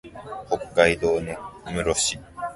北海道根室市